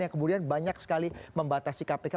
yang kemudian banyak sekali membatasi kpk